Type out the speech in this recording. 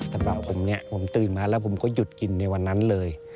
สำหรับผมเนี่ยผมตื่นมาแล้วผมก็หยุดกินในวันนั้นเลย